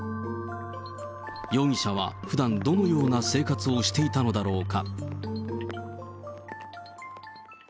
容疑者はふだん、どのような生活をしていたのだろうか。